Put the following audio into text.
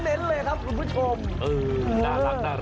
เน้นเลยครับคุณผู้ชม